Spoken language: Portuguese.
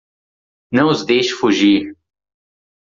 Não os deixe fugir!